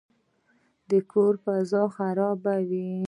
د کور فضا خرابوي.